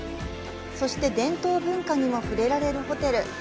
そして、伝統文化に触れられるホテル。